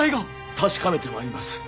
確かめてまいります。